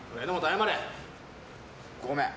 ごめん。